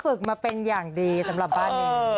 ฝึกมาเป็นอย่างดีสำหรับบ้านนี้